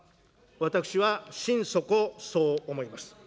私は心底そう思います。